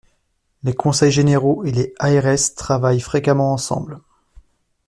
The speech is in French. Les conseils généraux et les ARS travaillent fréquemment ensemble.